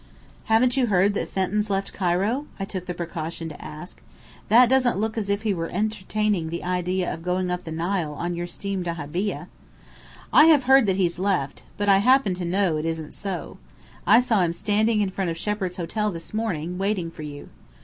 "Haven't you heard that Fenton's left Cairo?" I took the precaution to ask. "That doesn't look as if he were entertaining the idea of going up the Nile on your steam dahabeah." "I have heard that he's left. But I happen to know it isn't so. I saw him standing in front of Shepheard's Hotel this morning, waiting for you.